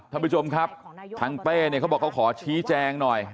ท่านผู้ชมครับทางเป้เนี่ยเขาบอกเขาขอชี้แจงหน่อย